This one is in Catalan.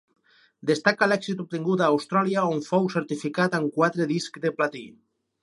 Destaca l'èxit obtingut a Austràlia on fou certificat amb quatre discs de platí.